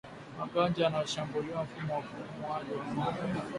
Magonjwa yanayoshambulia mfumo wa upumuaji wa ngombe